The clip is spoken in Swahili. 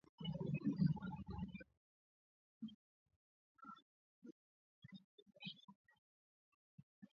Wakuu hao wa nchi wamesema kwamba katika siku za usoni.